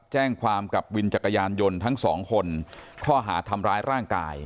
แจ้งความกับวินจักรยานยนต์ทั้งสองคนข้อหาทำร้ายร่างกาย